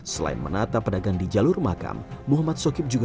selain menata pedagang di jalur makam muhammad sokib juga